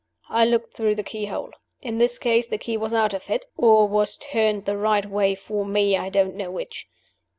I looked through the keyhole. In this case, the key was out of it or was turned the right way for me I don't know which.